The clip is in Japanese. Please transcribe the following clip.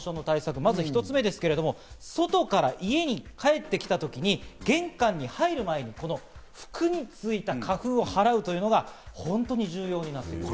まず１つ目、外から家に帰ってきたときに、玄関に入る前に服についた花粉を払うというのが本当に重要になります。